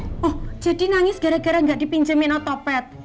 oh jadi nangis gara gara nggak dipinjemin otopet